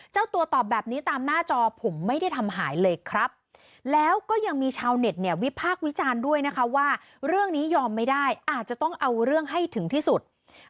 เจ้าตัวตอบแบบนี้ตามหน้าจอผมไม่ได้ทำหายเลยครับแล้วก็ยังมีชาวเน็ตเนี่ยวิพากษ์วิจารณ์ด้วยนะคะว่าเรื่องนี้ยอมไม่ได้อาจจะต้องเอาเรื่องให้ถึงที่สุด